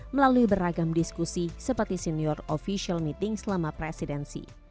melalui beragam diskusi seperti senior official meeting selama presidensi